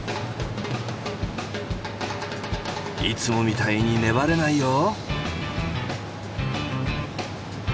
いつもみたいに粘れないよ。